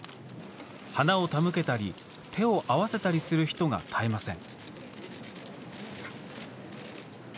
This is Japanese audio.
花を手向けたり手を合わせたりする人が絶えません。